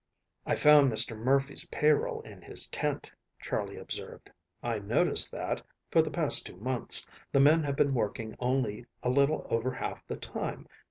"I found Mr. Murphy's payroll in his tent," Charley observed. "I notice that, for the past two months, the men have been working only a little over half the time.